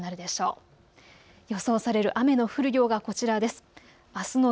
予想される雨の降る量がこちらです。